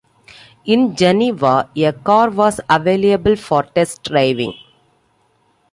In Geneva a car was available for test driving.